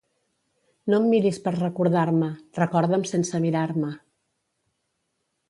No em miris per recordar-me; recorda'm sense mirar-me.